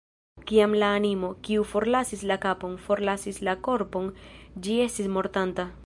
Kiam la animo, kiu forlasis la kapon, forlasis la korpon, ĝi estis mortanta.